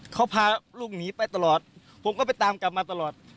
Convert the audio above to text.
เขาพาลูกหนีไปตลอดผมก็ไปตามกลับมาตลอด